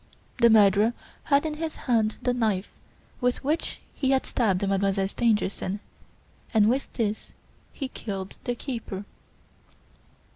The murderer had in his hand the knife with which he had stabbed Mademoiselle Stangerson and with this he killed the keeper."